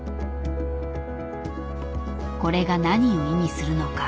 これが何を意味するのか。